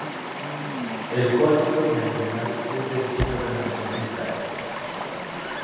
El pórtico meridional es de estilo renacentista.